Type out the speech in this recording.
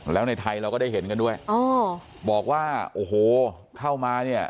แล้วในไทยเราก็ได้เห็นกันด้วยอ๋อบอกว่าโอ้โหเข้ามาเนี่ย